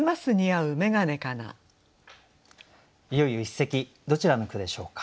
いよいよ一席どちらの句でしょうか。